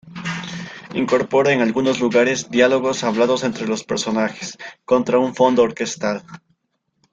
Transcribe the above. Incorpora en algunos lugares diálogos hablados entre los personajes, contra un fondo orquestal.